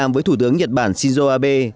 và thủ tướng nhật bản shinzo abe